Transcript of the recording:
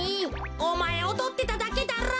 おまえおどってただけだろ？